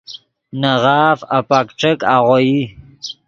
نے غاف اپک ݯیک آغوئی